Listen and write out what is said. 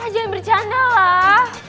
jangan bercanda lah